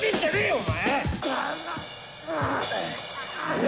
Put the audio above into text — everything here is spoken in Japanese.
お前！